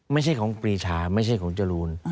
ไม่ใช่ของปรีชาไม่ใช่ของจรูน